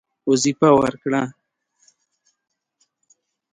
وظیفه ورکړه.